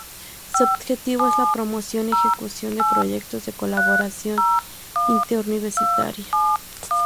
Su objetivo es la promoción y ejecución de proyectos de colaboración interuniversitaria.